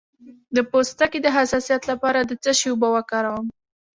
د پوستکي د حساسیت لپاره د څه شي اوبه وکاروم؟